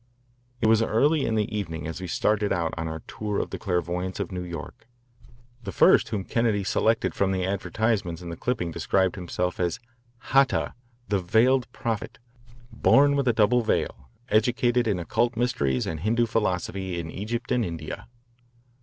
It was early in the evening as we started out on our tour of the clairvoyants of New York. The first whom Kennedy selected from the advertisements in the clipping described himself as "Hata, the Veiled Prophet, born with a double veil, educated in occult mysteries and Hindu philosophy in Egypt and India."